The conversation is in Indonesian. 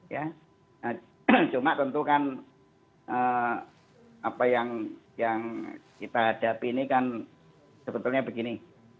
nah cuma tentukan apa yang kita hadapi ini kan sebetulnya begini